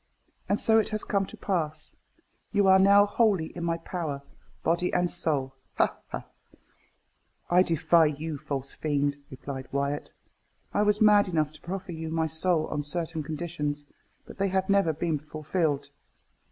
And so it has come to pass. You are now wholly in my power, body and soul ha! ha!" "I defy you, false fiend," replied Wyat. "I was mad enough to proffer you my soul on certain conditions; but they have never been fulfilled."